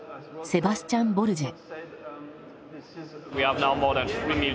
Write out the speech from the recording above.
セバスチャン・ボルジェ。